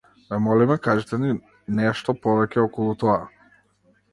Ве молиме кажете ни нешто повеќе околу тоа.